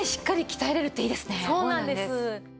そうなんです。